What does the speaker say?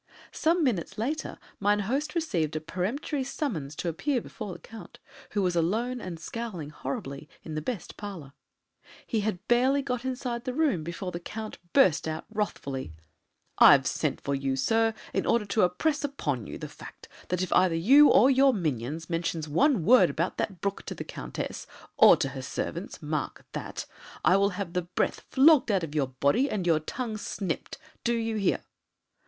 Some minutes later mine host received a peremptory summons to appear before the Count, who was alone and scowling horribly, in the best parlour. He had barely got inside the room before the Count burst out wrathfully: "I've sent for you, sir, in order to impress upon you the fact that if either you or your minions mention one word about that brook to the Countess, or to her servants mark that I will have the breath flogged out of your body and your tongue snipped. Do you hear?"